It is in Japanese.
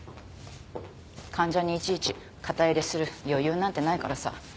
患者にいちいち肩入れする余裕なんてないからさ。